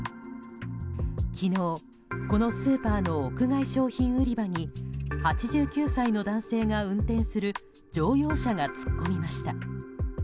昨日、このスーパーの屋外商品売り場に８９歳の男性が運転する乗用車が突っ込みました。